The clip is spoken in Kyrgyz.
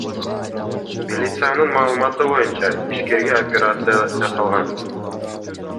Милициянын маалыматы боюнча, ишкерге операция жасалган.